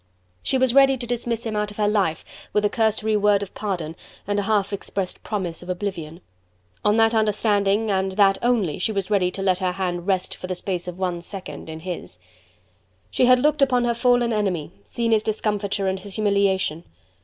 She was ready to dismiss him out of her life with a cursory word of pardon and a half expressed promise of oblivion: on that understanding and that only she was ready to let her hand rest for the space of one second in his. She had looked upon her fallen enemy, seen his discomfiture and his humiliation!